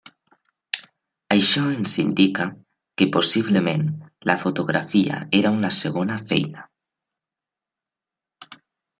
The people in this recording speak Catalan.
Això ens indica que possiblement la fotografia era una segona feina.